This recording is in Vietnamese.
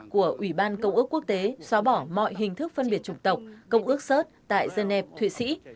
của ủy ban công ước quốc tế so bỏ mọi hình thức phân biệt chủng tộc tại geneva thuỵ sĩ